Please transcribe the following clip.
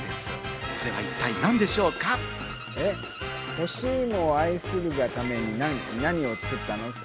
干し芋を愛するがために何を作ったの？